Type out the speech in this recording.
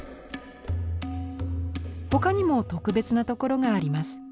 他にも特別なところがあります。